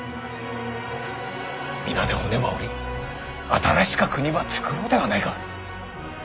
皆で骨ば折り新しか国ば作ろうではないか。